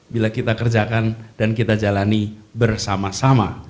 bila kita kerjakan dan kita jalani bersama sama